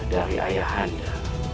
dari ayah anda